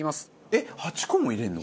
えっ８個も入れるの？